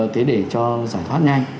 thế để cho giải thoát nhanh